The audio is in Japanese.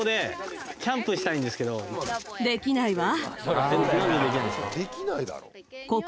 できないわ。